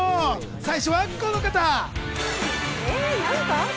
最初はこの方。